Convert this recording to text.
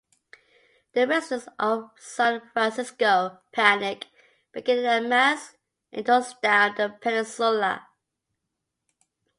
The residents of San Francisco panic and begin a mass exodus down the peninsula.